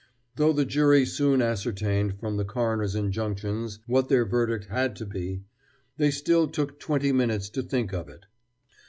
Though the jury soon ascertained from the coroner's injunctions what their verdict had to be, they still took twenty minutes to think of it.